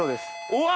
うわ！